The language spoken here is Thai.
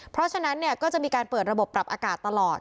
เพราะฉะนั้นก็จะมีการเปิดระบบปรับอากาศตลอด